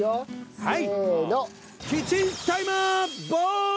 はい。